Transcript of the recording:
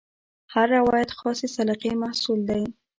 هر روایت خاصې سلیقې محصول دی.